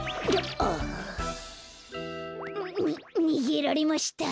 ああ。ににげられました。